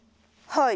はい。